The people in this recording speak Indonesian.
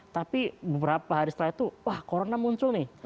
tapi beberapa hari setelah itu wah corona muncul nih